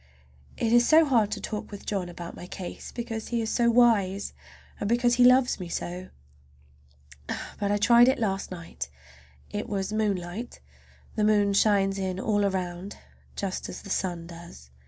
It is so hard to talk with John about my case, because he is so wise, and because he loves me so. But I tried it last night. It was moonlight. The moon shines in all around, just as the sun does.